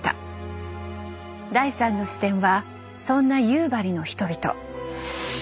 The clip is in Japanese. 第３の視点はそんな夕張の人々。